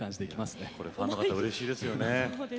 これファンの方うれしいですよね。